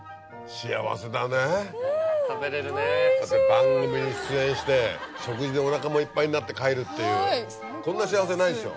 番組に出演して食事でおなかもいっぱいになって帰るっていうこんな幸せないでしょ？